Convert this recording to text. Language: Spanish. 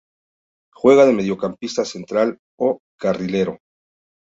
Juega de mediocampista central o carrilero.